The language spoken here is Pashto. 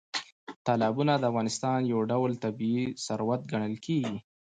تالابونه د افغانستان یو ډول طبیعي ثروت ګڼل کېږي.